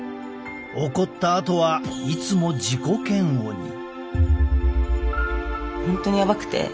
怒ったあとはいつも自己嫌悪に。